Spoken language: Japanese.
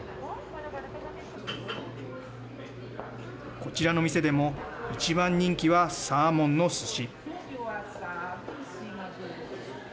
こちらの店でも一番人気はサーモンのすし。